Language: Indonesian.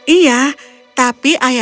iya tapi aku tidak mau